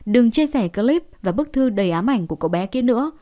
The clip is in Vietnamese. đừng chia sẻ clip và bức thư đầy ám ảnh của cậu bé kia nữa